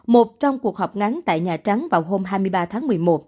một trong cuộc họp ngắn tại nhà trắng vào hôm hai mươi ba tháng một mươi một